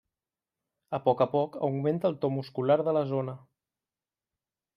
A poc a poc, augmenta el to muscular de la zona.